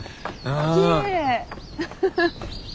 きれい。